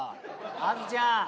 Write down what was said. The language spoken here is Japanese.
あずちゃん